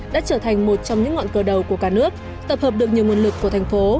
đã trở thành một trong những ngọn cờ đầu của cả nước tập hợp được nhiều nguồn lực của thành phố